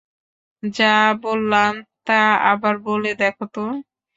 যা বললাম তা আবার বলে দেখা তো।